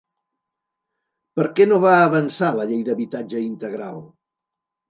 Per què no va avançar la Llei d'habitatge integral?